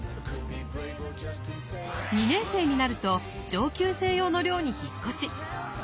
２年生になると上級生用の寮に引っ越し。